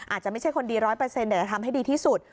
อาจจะไม่ใช่คนดี๑๐๐แต่ทำให้ดีที่สุด